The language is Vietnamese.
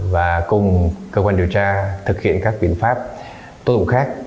và cùng cơ quan điều tra thực hiện các quyền pháp tố tụng khác